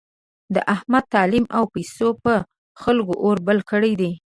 د احمد تعلیم او پیسو په خلکو اور بل کړی دی.